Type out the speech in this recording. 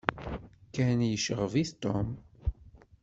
Ken yecɣeb-it Tom.